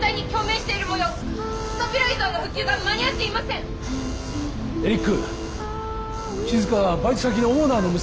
しずかはバイト先のオーナーの娘。